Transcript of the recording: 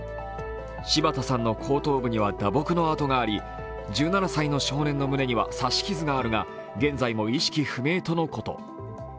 柴田さんの後頭部には打撲の痕があり、１７歳の少年の胸には刺し傷があるが、現在も意識不明とのこと。